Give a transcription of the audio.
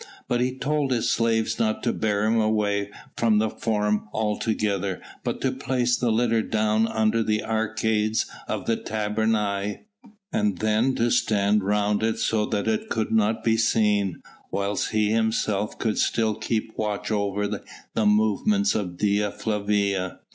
But he told his slaves not to bear him away from the Forum altogether but to place the litter down under the arcades of the tabernae, and then to stand round it so that it could not be seen, whilst he himself could still keep watch over the movements of Dea Flavia.